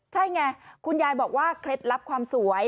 ใช่ไงคุณยายบอกว่าเคล็ดลับความสวย